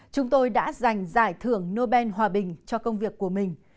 chúng tôi đã giành giải thưởng nobel hòa bình cho công việc của mình